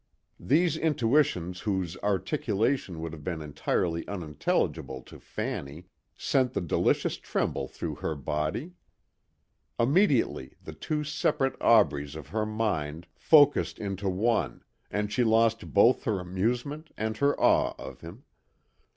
These intuitions whose articulation would have been entirely unintelligable to Fanny sent the delicious tremble through her body. Immediately the two separate Aubreys of her mind focussed into one and she lost both her amusement and her awe of him.